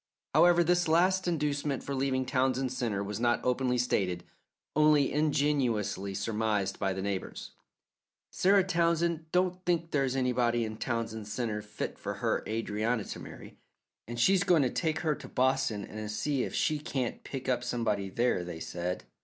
However, this last inducement for leaving Townsend Centre was not openly stated, only ingeniously surmised by the neighbours. "Sarah Townsend don't think there's anybody in Townsend Centre fit for her Adrianna to marry, and so she's goin' to take her to Boston to see if she can't pick up somebody there," they said.